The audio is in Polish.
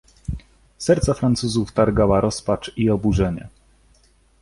"Serca Francuzów targała rozpacz i oburzenie."